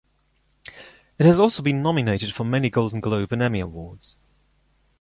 It has also been nominated for many Golden Globe and Emmy Awards.